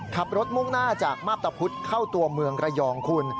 ขับรถมุ่งหน้าจากมา๊บตาพุทธเข้าตัวเมืองเรืองคน